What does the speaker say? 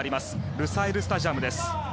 ルサイル・スタジアムです。